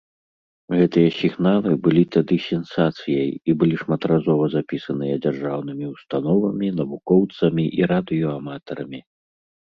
Гэтыя сігналы былі тады сенсацыяй, і былі шматразова запісаныя дзяржаўнымі ўстановамі, навукоўцамі і радыёаматарамі.